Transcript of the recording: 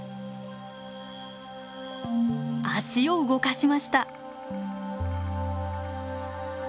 脚を動かしました。